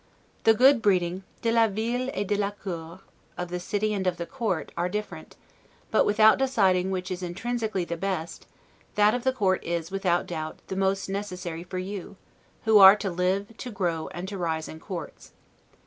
The good breeding 'de la ville et de la cour' [of the city and of the court] are different; but without deciding which is intrinsically the best, that of the court is, without doubt, the most necessary for you, who are to live, to grow, and to rise in courts.